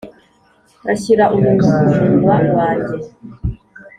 ashyira umunwa ku munwa wanjye